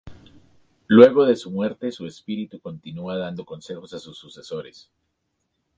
Luego de su muerte, su espíritu continua dando consejos a sus sucesores.